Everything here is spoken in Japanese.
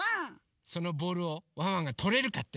そのボールをワンワンがとれるかって？